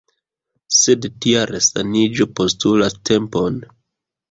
Sed tia resaniĝo postulas tempon.